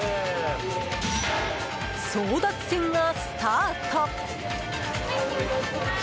争奪戦がスタート！